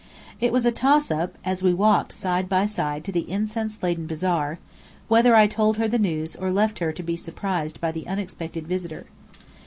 It was a toss up, as we walked side by side to the incense laden bazaar, whether I told her the news or left her to be surprised by the unexpected visitor.